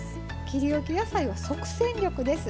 切りおき野菜は即戦力です。